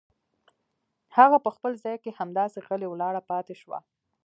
هغه په خپل ځای کې همداسې غلې ولاړه پاتې شوه.